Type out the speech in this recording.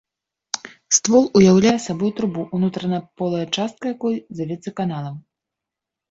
Ствол уяўляе сабой трубу, унутраная полая частка якой завецца каналам.